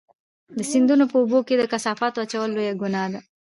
د سیندونو په اوبو کې د کثافاتو اچول لویه ګناه ده.